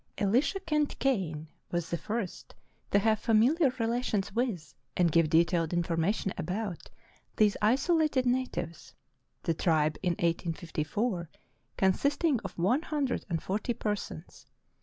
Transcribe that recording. Elisha Kent Kane was the first to have familiar rela tions with and give detailed information about these isolated natives, the tribe in 1854 consisting of one hundred and forty persons.